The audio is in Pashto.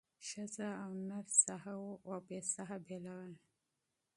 ښځه او نر ساهو او بې ساه بېلول